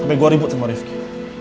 sampai gue ribut sama rizky